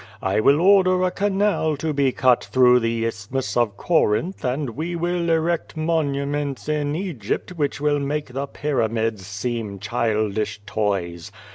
I will order a canal to be cut through the Isthmus of Corinth and we M'ill erect monuments in Egypt which will make the Pyramids seem childish toys.